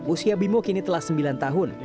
usia bimo kini telah sembilan tahun